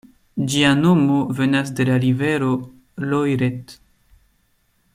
Ĝia nomo venas de la rivero Loiret.